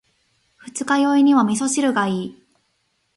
二日酔いには味噌汁がいい。